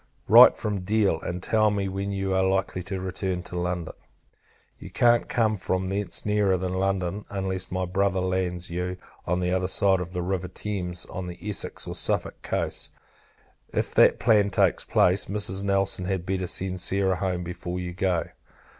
Write from Deal, and tell me when you are likely to return to London. You can't come from thence nearer than London, unless my Brother lands you on the other side of the river Thames, on the Essex or Suffolk coasts. If that plan takes place, Mrs. Nelson had better send Sarah home before you go.